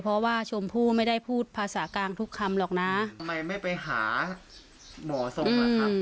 เพราะว่าชมผู้ไม่ได้พูดภาษากลางทุกคำหรอกไหมไม่ไปหาหม่อซม